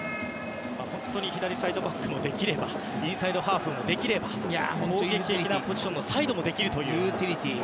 本当に左サイドバックもできればインサイドハーフもできれば攻撃的なポジションもできるという。